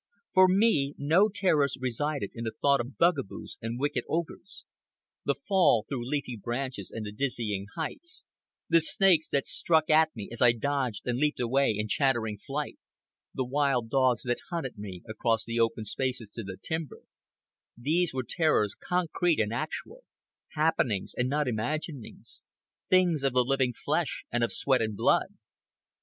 For me no terrors resided in the thought of bugaboos and wicked ogres. The fall through leafy branches and the dizzy heights; the snakes that struck at me as I dodged and leaped away in chattering flight; the wild dogs that hunted me across the open spaces to the timber—these were terrors concrete and actual, happenings and not imaginings, things of the living flesh and of sweat and blood.